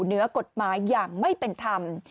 เหนือกฎหมายอย่างไม่เป็นธรรม